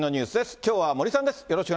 きょうは森さんです。